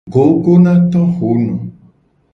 Gogo na tohono.